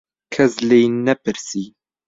کەس لێی نەپرسی.